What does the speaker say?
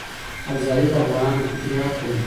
ازادي د افغانانو فطري حق دی.